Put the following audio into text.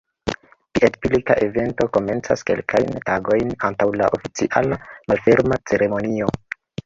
Piedpilka evento komencas kelkajn tagojn antaŭ la oficiala malferma ceremonio.